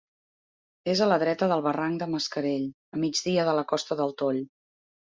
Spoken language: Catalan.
És a la dreta del barranc de Mascarell, a migdia de la Costa del Toll.